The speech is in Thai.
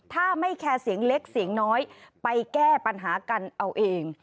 ถ้าไม่แคร์เสียงเล็กเสียงน้อยไปแก้ปัญหากันเอาเอง